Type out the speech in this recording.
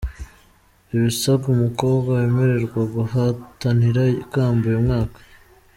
Ibisabwa umukobwa wemererwa guhatanira ikamba uyu mwaka: